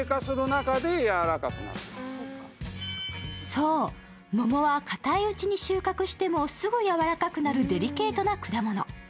そう、桃はかたいうちに収穫してもすぐやわらかくなるデリケートな果物。